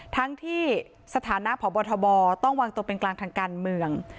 ทั้งที่สถานะพบทบต้องวางตัวเป็นกลางทางการเมือง